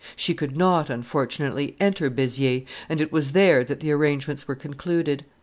She could not, unfortunately, enter Beziers, and it was there that the arrangements were concluded.